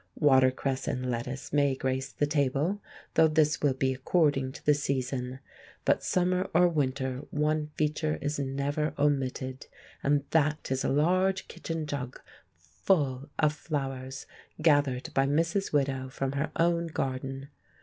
Watercress and lettuce may grace the table, though this will be according to the season; but summer or winter, one feature is never omitted, and that is a large kitchen jug full of flowers, gathered by Mrs. Widow from her own garden.